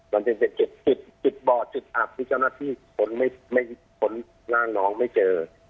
มันจะเป็นจุดบ่อจุดอับที่เจ้าหน้าที่ผลร่างน้องไม่เจอ